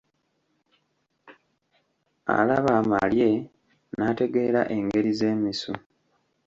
Alaba amalye, n'ategeera engeri z'emisu.